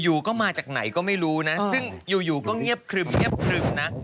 อยู่ก็มาจากไหนก็ไม่รู้นะซึ่งอยู่ก็เงียบครึมเงียบครึมนะ